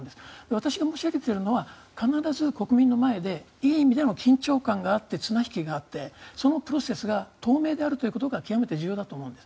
私が申し上げてるのは必ず国民の前でいい意味での緊張感があって綱引きがあってそのプロセスが透明であることが極めて重要だと思うんです。